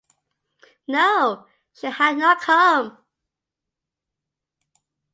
No; she had not come!